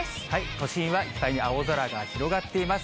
都心はいっぱいに青空が広がっています。